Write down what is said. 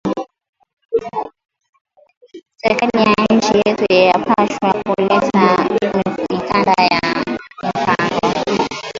Serkali wa inchi yetu ana pashwa ku leta mikanda ya mpango